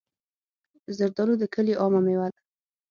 زردالو د کلیو عامه مېوه ده.